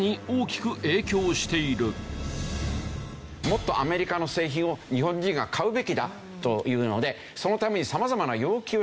もっとアメリカの製品を日本人が買うべきだというのでそのために様々な要求をしてきた。